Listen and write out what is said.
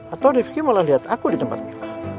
atau rifki malah liat aku di tempatnya